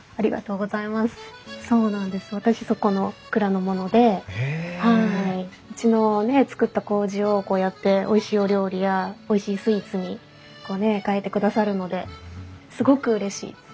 うちの造ったこうじをこうやっておいしいお料理やおいしいスイーツに変えてくださるのですごくうれしいです。